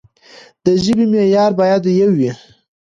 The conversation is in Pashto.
د ژبې معيار بايد يو وي.